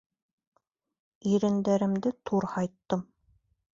Ирендәремде турһайттым.